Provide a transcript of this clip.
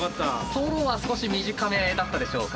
ソロは少し短めだったでしょうか。